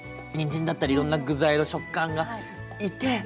にんじんだったりいろんな具材の食感がいて。